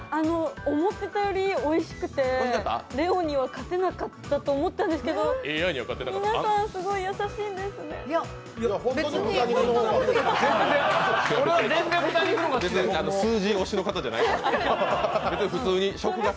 思ってたよりおいしくてレオには勝てなかったと思ったんですけど、皆さんすごい優しいんですねいやっ、本当に豚肉の方が。